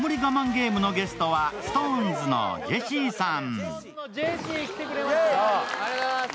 ゲームのゲストはＳｉｘＴＯＮＥＳのジェシーさん。